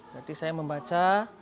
jadi saya membaca